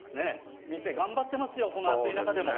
店、頑張ってますよ、この暑い中でも。